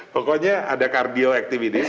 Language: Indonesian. pokoknya ada cardio activities